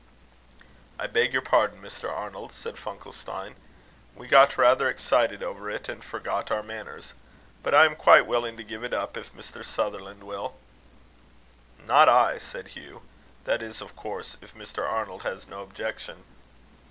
"I beg your pardon, Mr. Arnold," said Funkelstein. "We got rather excited over it, and forgot our manners. But I am quite willing to give it up, if Mr. Sutherland will." "Not I," said Hugh; "that is, of course, if Mr. Arnold has no objection."